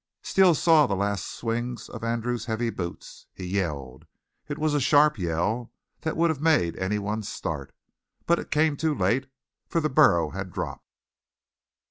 Steele saw the last swings of Andrews' heavy boot. He yelled. It was a sharp yell that would have made anyone start. But it came too late, for the burro had dropped.